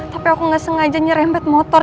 tapi aku nggak sengaja nyerempet motor